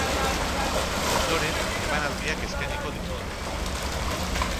Ondoren emanaldiak eskainiko dituzte.